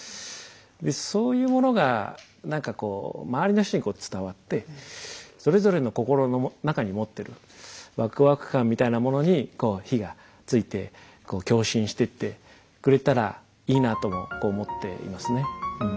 でそういうものが何かこう周りの人にこう伝わってそれぞれの心の中に持ってるワクワク感みたいなものに火がついて共振してってくれたらいいなとも思っていますね。